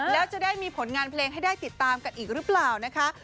แล้วจะได้มีผลงานเพลงให้ได้ติดตามกันอีกหรือเปล่านะคะ